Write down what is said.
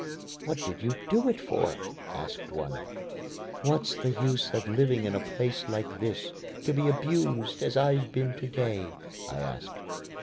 "What did you do it for?" asked one. "What's the use of living in a place like this, to be abused as I've been to day?" I asked.